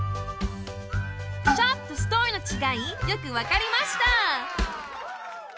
ショップとストアのちがいよくわかりました！